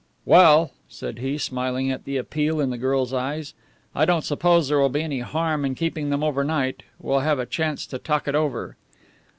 "Well," said he, smiling at the appeal in the girl's eyes, "I don't suppose there will be any harm in keeping them overnight. We'll have a chance to talk it over."